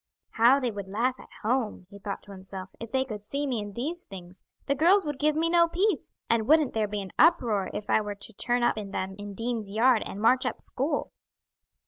"How they would laugh at home," he thought to himself, "if they could see me in these things! The girls would give me no peace. And wouldn't there be an uproar if I were to turn up in them in Dean's Yard and march up school!"